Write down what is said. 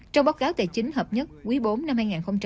trong báo cáo tài chính hợp nhất quý bốn năm hai nghìn hai mươi